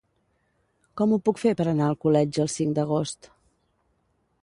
Com ho puc fer per anar a Alcoletge el cinc d'agost?